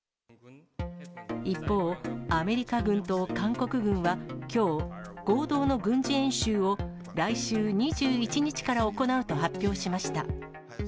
一方、アメリカ軍と韓国軍はきょう、合同の軍事演習を来週２１日から行うと発表しました。